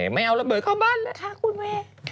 ไม่เอาระเบิดเข้าบ้านเลยค่ะคุณแม่